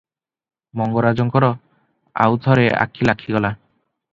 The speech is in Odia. ମଙ୍ଗରାଜଙ୍କର ଆଉ ଥରେ ଆଖି ଲାଗିଗଲା ।